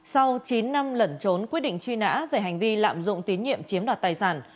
sau chín năm lẩn trốn quyết định truy nã về hành vi lạm dụng tín nhiệm chiếm đoạt tài sản